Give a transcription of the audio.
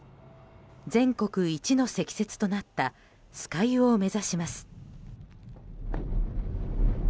全国一の積雪となった酸ヶ湯を目指します。